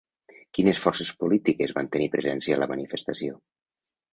Quines forces polítiques van tenir presència a la manifestació?